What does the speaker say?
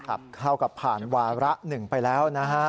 เท่ากับผ่านวาระ๑ไปแล้วนะฮะ